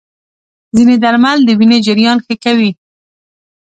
ځینې درمل د وینې جریان ښه کوي.